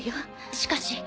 しかし。